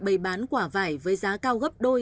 bày bán quả vải với giá cao gấp đôi